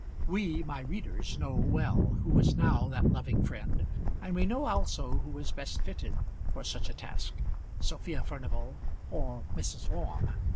We, my readers, know well who was now that loving friend, and we know also which was best fitted for such a task, Sophia Furnival or Mrs. Orme.